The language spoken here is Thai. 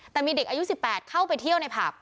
แต่มีเด็กอายุ๑๘เข้าไปเที่ยวในผับ